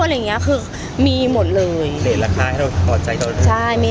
อย่างเงี้ยคือมีหมดเลยเหล็ดราคาให้เราตอบใจตัวเองใช่มี